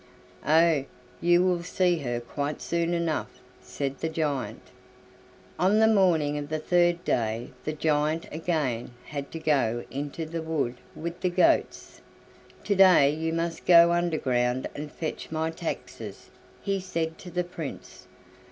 "Oh! you will see her quite soon enough," said the giant. On the morning of the third day the giant again had to go into the wood with the goats. "To day you must go underground and fetch my taxes," he said to the Prince.